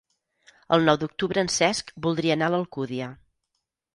El nou d'octubre en Cesc voldria anar a l'Alcúdia.